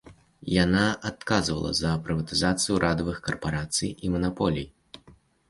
Яна адказвала за прыватызацыю ўрадавых карпарацый і манаполій.